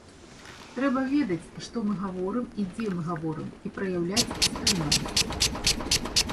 Трэба ведаць, што мы гаворым і дзе мы гаворым, і праяўляць стрыманасць.